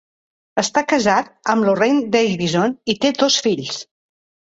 Està casat amb Lorraine Davidson i té dos fills.